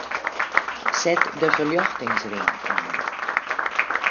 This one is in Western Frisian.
Set de ferljochtingsring oan.